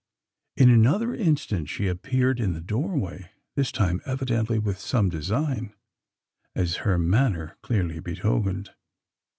In another instant, she appeared in the doorway this time evidently with some design, as her manner clearly betokened.